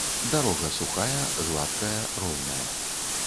Дарога сухая, гладкая, роўная.